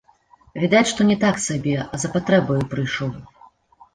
Відаць, што не так сабе, а за патрэбаю прыйшоў.